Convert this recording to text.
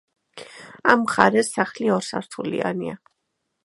ამ მხარეს სახლი ორსართულიანია.